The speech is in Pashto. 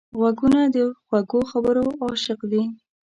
غوږونه د خوږو خبرو عاشق دي